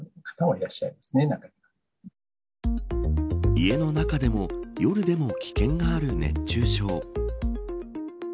家の中でも夜でも危険がある熱中症。